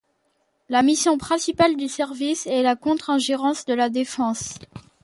La mission principale du service est la contre-ingérence de la Défense.